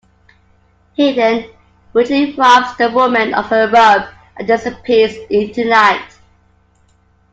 He then brutally robs the woman of her robe and disappears into the night.